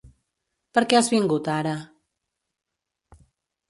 Per què has vingut ara?